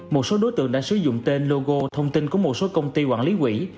một số đối tượng đã sử dụng tên logo thông tin của một số công ty quản lý quỹ